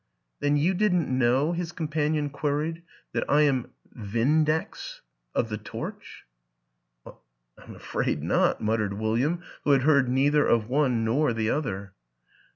" Then you didn't know," his companion queried, "that I am ' Vindex ' of The Torch?" " I'm afraid not," muttered William, who had heard neither of one nor the other.